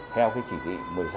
theo chỉ thị một mươi sáu